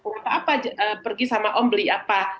gak apa apa pergi sama om beli apa